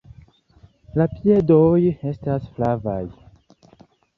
La piedoj estas flavaj.